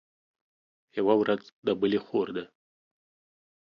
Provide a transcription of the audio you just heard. يوه ورځ د بلي خور ده.